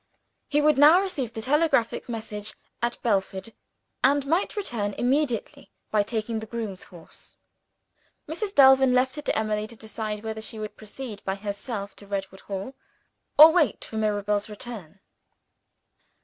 He would now receive the telegraphic message at Belford, and might return immediately by taking the groom's horse. Mrs. Delvin left it to Emily to decide whether she would proceed by herself to Redwood Hall, or wait for Mirabel's return.